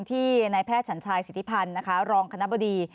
ที่ในแพทย์ฉันชายศิษฐิพันธ์รองคณะบดี